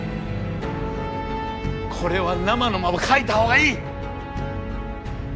これはナマのまま書いた方がいい！